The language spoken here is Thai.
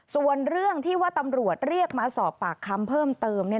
ส่วนเรื่องที่ว่าตำรวจเรียกมาสอบปากคำเพิ่มเติม